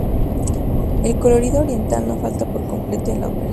El colorido oriental no falta por completo en la ópera.